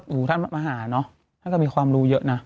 หูท่านมหาเนาะท่านก็มีความรู้เยอะนะ